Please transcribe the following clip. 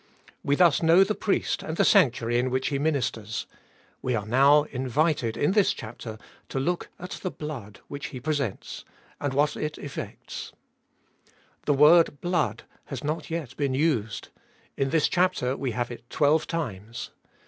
We thus know the Priest and the sanctuary in which He ministers ; we are now invited in this chapter to look at the blood which He presents, and what it 284 abe toltest of ail effects. The word Blood has not yet been used : in this chapter we have it twelve times.